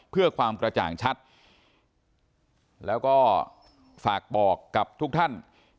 เพื่อความกระจ่างชัดแล้วก็ฝากบอกกับทุกท่าน